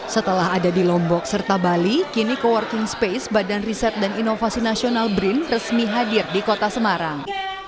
setelah ada di lombok serta bali kini co working space badan riset dan inovasi nasional brin resmi hadir di kota semarang